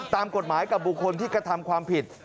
ตามกฎหมายกับบุคคลที่กระทำความผิด